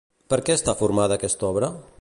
Per què està formada aquesta obra?